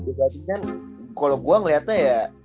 ibaka kan kalau gua ngeliatnya ya